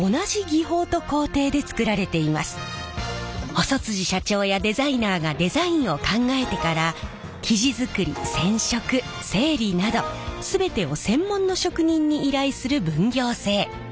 細社長やデザイナーがデザインを考えてから生地作り染色整理など全てを専門の職人に依頼する分業制。